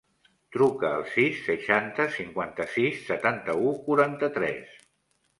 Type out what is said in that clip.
Truca al sis, seixanta, cinquanta-sis, setanta-u, quaranta-tres.